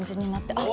あっ！